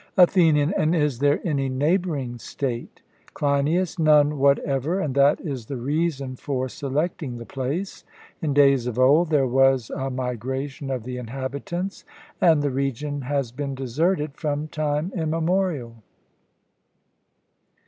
ATHENIAN: And is there any neighbouring State? CLEINIAS: None whatever, and that is the reason for selecting the place; in days of old, there was a migration of the inhabitants, and the region has been deserted from time immemorial.